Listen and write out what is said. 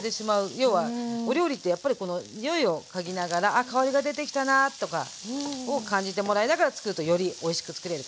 要はお料理ってやっぱりこのにおいを嗅ぎながらあ香りが出てきたなあとかを感じてもらいながらつくるとよりおいしくつくれるかなと思います。